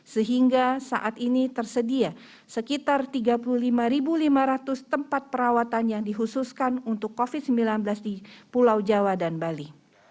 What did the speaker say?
sehingga saat ini tersedia sekitar tiga puluh lima lima ratus tempat perawatan yang dikhususkan untuk covid sembilan belas di pulau jawa dan bali